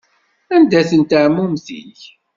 Anda-tent ɛmumet-ik?